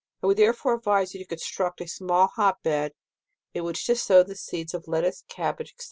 1 would therefore advise you to construct a small hot bed, in which to sow the seeds of lettuce, cab bage, &c.